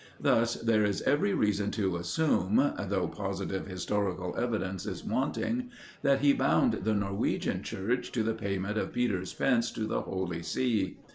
Thus there is every reason to assume, though positive historical evidence is wanting, that he bound the Norwegian Church to the payment of Peter's pence to the Holy See.